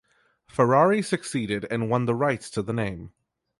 Ferrari succeeded and won the rights to the name.